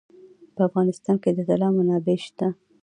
په افغانستان کې د طلا منابع شته.